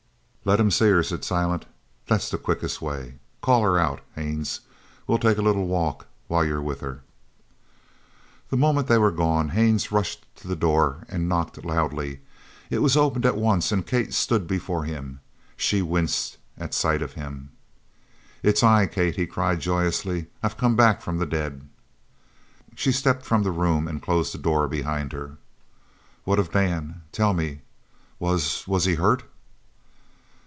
"Let him see her," said Silent. "That's the quickest way. Call her out, Haines. We'll take a little walk while you're with her." The moment they were gone Haines rushed to the door and knocked loudly. It was opened at once and Kate stood before him. She winced at sight of him. "It's I, Kate!" he cried joyously. "I've come back from the dead." She stepped from the room and closed the door behind her. "What of Dan? Tell me! Was was he hurt?"